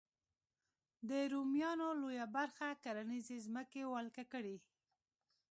د رومیانو لویه برخه کرنیزې ځمکې ولکه کړې.